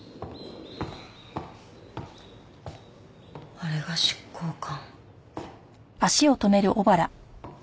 あれが執行官。